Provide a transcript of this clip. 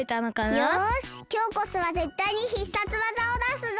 よしきょうこそはぜったいに必殺技をだすぞ！